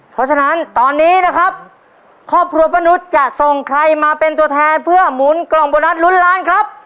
เพราะฉะนั้นตอนนี้นะครับครอบครัวป้านุษย์จะส่งใครมาเป็นตัวแทนเพื่อหมุนกล่องโบนัสลุ้นล้านครับ